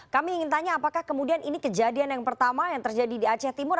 kami ingin tanya apakah kemudian ini kejadian yang pertama yang terjadi di aceh timur